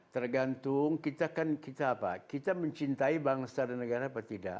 tergantung kita kan kita apa kita mencintai bangsa dan negara apa tidak